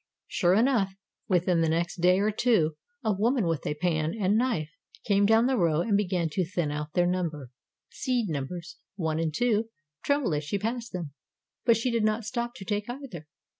Sure enough, within the next day or two a woman with a pan and knife came down the row and began to thin out their number. Seed numbers One and Two trembled as she passed them, but she did not stop to take either.